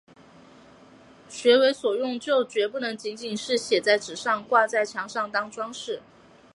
学为所用就决不能仅仅是写在纸上、挂在墙上当‘装饰’